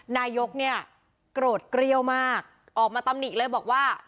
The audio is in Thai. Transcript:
นายกเนี่ยโกรธเกรี้ยวมากออกมาตำหนิเลยบอกว่า